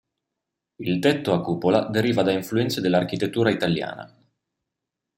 Il tetto a cupola deriva da influenze dell'architettura italiana.